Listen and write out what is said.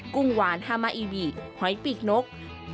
ุ้งหวานฮามาอีบิหอยปีกนก